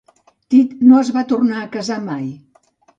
Tit no es va tornar a casar mai.